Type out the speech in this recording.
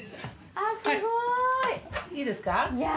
あっすごい！いいですか？